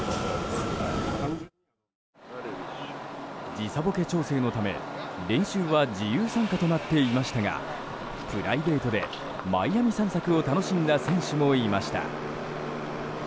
時差ボケ調整のため、練習は自由参加となっていましたがプライベートでマイアミ散策を楽しんだ選手もいました。